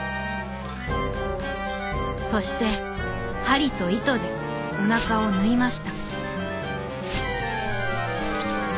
そしてはりといとでおなかをぬいました。